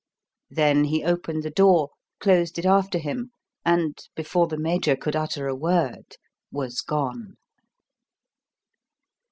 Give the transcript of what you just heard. Then he opened the door, closed it after him, and, before the Major could utter a word, was gone.